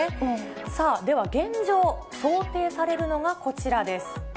さあでは、現状、想定されるのがこちらです。